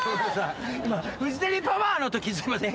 今フジテレビパワーのときすいません。